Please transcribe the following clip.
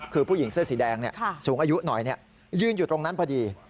คือผู้หญิงเสื้อสีแดงสูงอายุหน่อยยืนอยู่ตรงนั้นพอดี